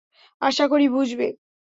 আশা করি বুঝবে।